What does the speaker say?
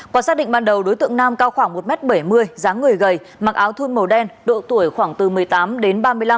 qua xác định ban đầu đối tượng nam cao khoảng một m bảy mươi dáng người gầy mặc áo thun màu đen độ tuổi khoảng từ một mươi tám đến ba mươi năm